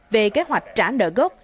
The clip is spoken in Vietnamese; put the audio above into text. về kế hoạch trả nợ gốc